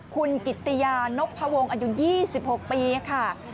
คุณกิตติยานพวงอายุ๒๖ปีค่ะ